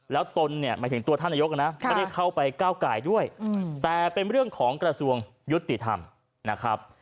แล้วตนเนี่ยหมายถึงตัวท่านนายกนะไม่ได้เข้าไปก้าวไก่ด้วยแต่เป็นเรื่องของกระทรวงยุติธรรมนะครับ